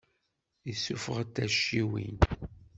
Issuffeɣ-d taciwin.